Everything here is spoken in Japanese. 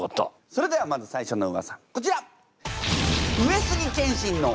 それではまず最初のウワサこちら！